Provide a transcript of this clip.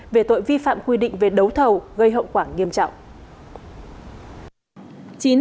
về tội vi phạm quy định về đấu thầu gây hậu quả nghiêm trọng